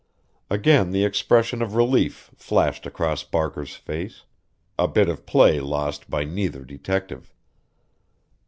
Again the expression of relief flashed across Barker's face a bit of play lost by neither detective.